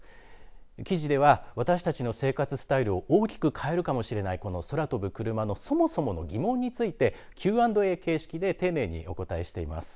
記事では私たちの生活スタイルを大きく変えるかもしれないこの空飛ぶクルマのそもそもの疑問についてＱ＆Ａ形式で丁寧にお答えしています。